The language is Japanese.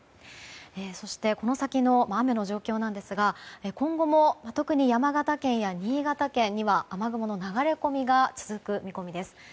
そして、この先の雨の状況ですが今後も特に山形県や新潟県には雨雲の流れ込みが続く見込みです。